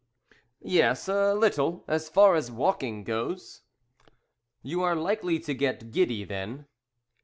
"Yes, a little, as far as walking goes." "You are likely to get giddy, then."